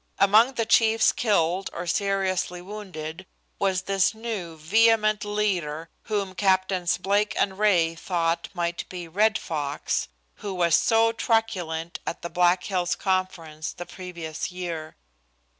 Among the chiefs killed or seriously wounded was this new, vehement leader whom Captains Blake and Ray thought might be Red Fox, who was so truculent at the Black Hills conference the previous year.